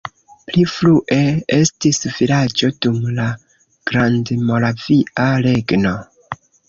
Pli frue estis vilaĝo dum la Grandmoravia Regno.